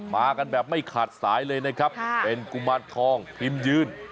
มากันแบบไม่ขาดสายเลยนะครับเป็นกุมารทองพิมพ์ยืน